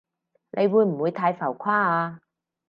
你會唔會太浮誇啊？